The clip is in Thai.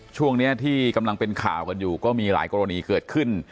ช่วงนี้ที่กำลังเป็นข่าวกันอยู่ก็มีหลายกรณีเกิดขึ้น